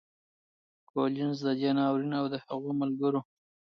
کولینز د دې ناورین او د هغو ملګرو